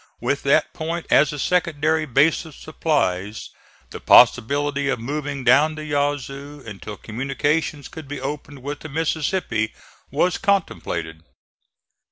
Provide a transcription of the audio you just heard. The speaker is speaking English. With that point as a secondary base of supplies, the possibility of moving down the Yazoo until communications could be opened with the Mississippi was contemplated.